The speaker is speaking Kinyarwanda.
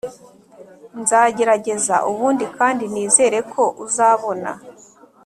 nzagerageza ubundi kandi nizere ko uzabona